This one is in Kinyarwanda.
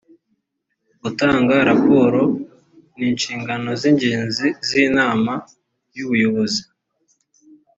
gutanga raporo ni inshingano z’ ingenzi z’inama y’ubuyobozi